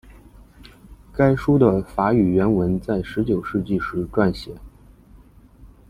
该书的法语原文在十九世纪时撰写。